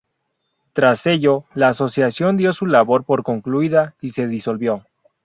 Tras ello, la asociación dio su labor por concluida y se disolvió.